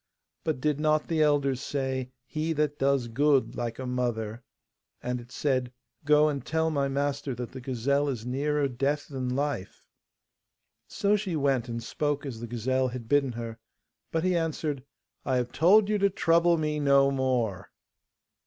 But did not the elders say, "He that does good like a mother!"' And it said, 'Go and tell my master that the gazelle is nearer death than life.' So she went, and spoke as the gazelle had bidden her; but he answered, 'I have told you to trouble me no more.